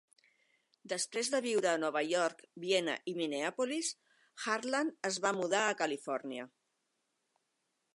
Després de viure a Nova York, Viena i Minneapolis, Harland es va mudar a Califòrnia.